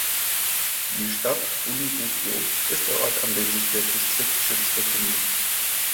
Die Stadt Bundibugyo ist der Ort, an dem sich der Distriktssitz befindet.